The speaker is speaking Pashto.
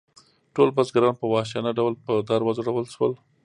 ټول بزګران په وحشیانه ډول په دار وځړول شول.